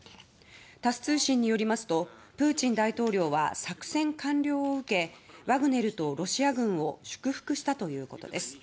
タス通信によりますとプーチン大統領は作戦完了を受けワグネルとロシア軍を祝福したということです。